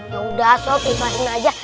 yaudah sob istirahatin aja